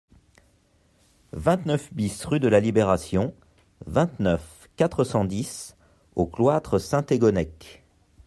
vingt-neuf BIS rue de La Libération, vingt-neuf, quatre cent dix au Cloître-Saint-Thégonnec